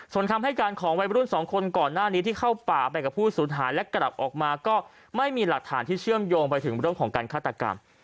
ส่วนคำให้การของวัยรุ่นสองคนก่อนหน้านี้ที่เข้าป่าไปกับผู้สูญหายและกลับออกมาก็ไม่มีหลักฐานที่เชื่อมโยงไปถึงเรื่องของการฆาตกรรม